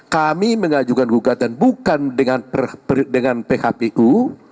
kami mengajukan gugatan bukan dengan phpu